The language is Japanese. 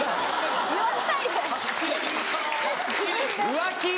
浮気！